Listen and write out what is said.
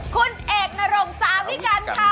คุณเอกน์นรง๓พิกัณฑ์ค่ะ